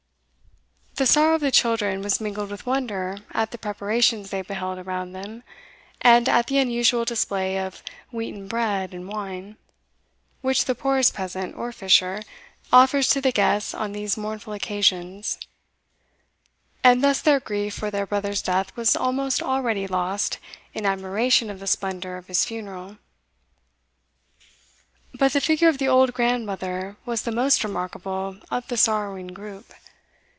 The sorrow of the children was mingled with wonder at the preparations they beheld around them, and at the unusual display of wheaten bread and wine, which the poorest peasant, or fisher, offers to the guests on these mournful occasions; and thus their grief for their brother's death was almost already lost in admiration of the splendour of his funeral. But the figure of the old grandmother was the most remarkable of the sorrowing group.